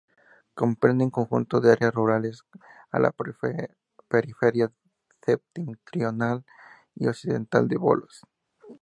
Comprende un conjunto de áreas rurales en la periferia septentrional y occidental de Volos.